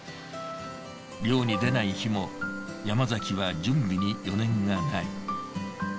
漁に出ない日も山崎は準備に余念がない。